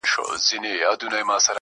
زما په سترگو كي را رسم كړي_